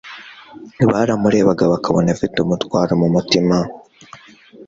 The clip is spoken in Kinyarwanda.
baramurebaga bakabona afite umutwaro mu mutima;